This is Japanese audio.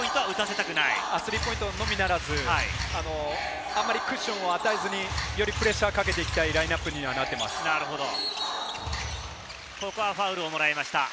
スリーポイントのみならず、クッションを与えずにプレッシャーをかけていきたいラインアップにここはファウルをもらいました。